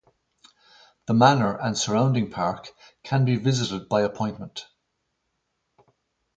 The manor and surrounding park can be visited by appointment.